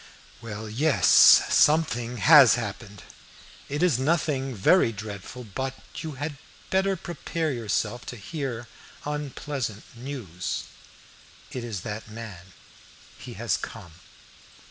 "Well, yes, something has happened. It is nothing very dreadful, but you had better prepare yourself to hear unpleasant news." "It is that man he has come."